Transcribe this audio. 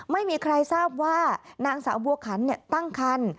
ไม่มีใครทราบว่านางสาวบัวขันตั้งคัน